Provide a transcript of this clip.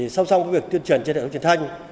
sau xong việc tuyên truyền trên đại hội truyền thanh